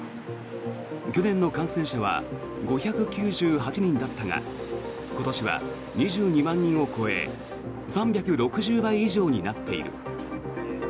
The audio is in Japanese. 去年の感染者は５９８人だったが今年は２２万人を超え３６０倍以上になっている。